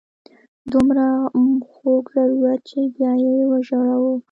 دومره خوږ ضرورت چې بیا یې وژاړو.